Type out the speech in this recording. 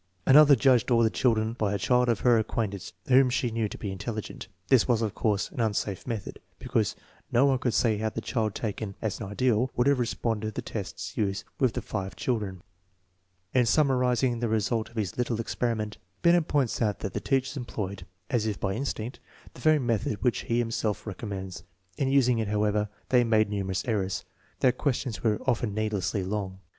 Another judged all the children by a child of her acquaintance whom she knew to be intelligent. This was, of course, an unsafe method, because no one could say how the child taken as an ideal would have responded to the tests used with the five children. In summarizing the result of his little experiment, Binet points out that the teachers employed, as if by instinct, the very method which he himself recommends. In using it, however, they made numerous errors. Their questions were often needlessly long.